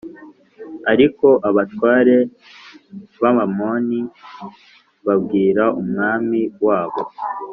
Ariko abatware b’Abamoni babwira umwami wabo